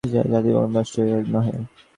ভারতীয় জাতি নষ্ট হইবার নহে।